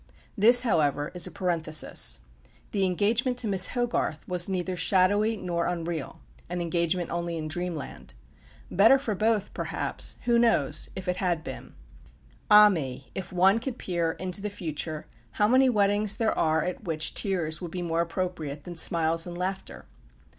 This, however, is a parenthesis. The engagement to Miss Hogarth was neither shadowy nor unreal an engagement only in dreamland. Better for both, perhaps who knows? if it had been. Ah me, if one could peer into the future, how many weddings there are at which tears would be more appropriate than smiles and laughter!